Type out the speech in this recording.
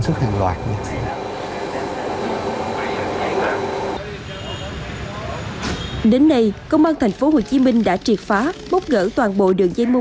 xuất hàng loạt đến nay công an thành phố hồ chí minh đã triệt phá bốc gỡ toàn bộ đường dây mua